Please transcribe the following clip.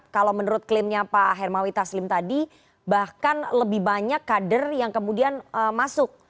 kalau menurut klaimnya pak hermawi taslim tadi bahkan lebih banyak kader yang kemudian masuk